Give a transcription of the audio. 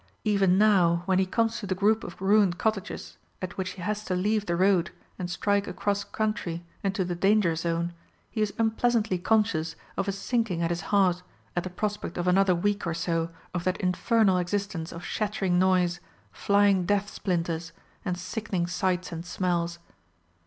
Even now, when he comes to the group of ruined cottages at which he has to leave the road and strike across country into the danger zone, he is unpleasantly conscious of a sinking at his heart at the prospect of another week or so of that infernal existence of shattering noise, flying death splinters, and sickening sights and smells.